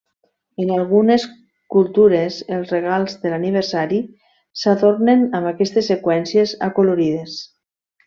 En algunes cultures els regals de l'aniversari s'adornen amb aquestes seqüències acolorides.